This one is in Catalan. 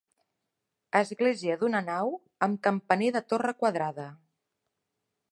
Església d'una nau, amb campaner de torre quadrada.